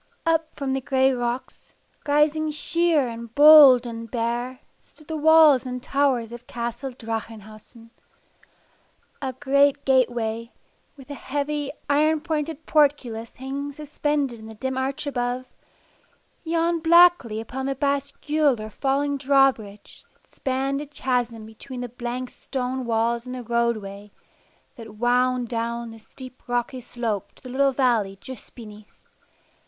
Up from the gray rocks, rising sheer and bold and bare, stood the walls and towers of Castle Drachenhausen. A great gate way, with a heavy iron pointed portcullis hanging suspended in the dim arch above, yawned blackly upon the bascule or falling drawbridge that spanned a chasm between the blank stone walls and the roadway that winding down the steep rocky slope to the little valley just beneath.